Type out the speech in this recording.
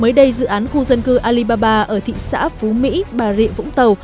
mới đây dự án khu dân cư alibaba ở thị xã phú mỹ bà rịa vũng tàu